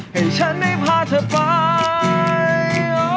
ให้ฉันได้พาเธอไป